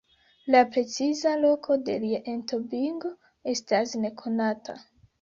La preciza loko de lia entombigo estas nekonata.